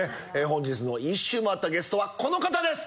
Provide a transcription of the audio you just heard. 本日の１周回ったゲストはこの方です！